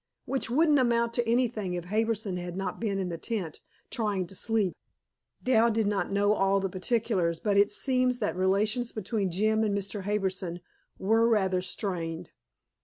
Which wouldn't amount to anything if Harbison had not been in the tent, trying to sleep!" Dal did not know all the particulars, but it seems that relations between Jim and Mr. Harbison were rather strained.